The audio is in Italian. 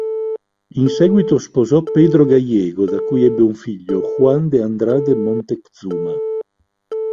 In seguito sposò Pedro Gallego, da cui ebbe un figlio, Juan de Andrade Moctezuma.